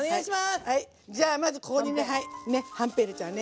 じゃあまずここにねはんぺん入れちゃうね。